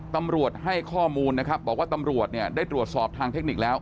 ตำรวจให้ข้อมูลนะครับบอกว่าตำรวจเนี่ยได้ตรวจสอบทางเทคนิคแล้ว